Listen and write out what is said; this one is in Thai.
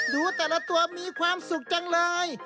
ดูแต่ละตัวมีความสุขจังเลย